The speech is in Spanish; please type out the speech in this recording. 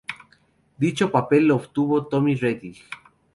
Dicho papel lo obtuvo Tommy Rettig.